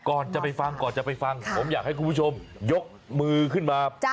ก่อนจะไปฟังผมอยากให้คุณผู้ชมยกมือขึ้นมา